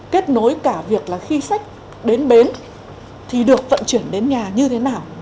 kết nối cả việc là khi khách đến bến thì được vận chuyển đến nhà như thế nào